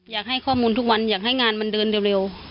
อยากให้ข้อมูลทุกวันอยากให้งานมันเดินเร็ว